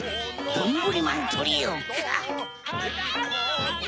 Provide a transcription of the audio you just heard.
どんぶりまんトリオか。